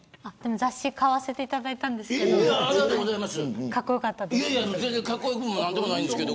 雑誌買わせていただいたんですけれどかっこよかったです。